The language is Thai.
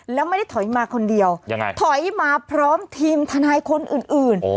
แล้วไม่ได้ถอยมาคนเดียวยังไงถอยมาพร้อมทีมทนายคนอื่น